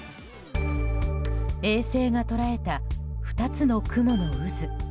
衛星が捉えた２つの雲の渦。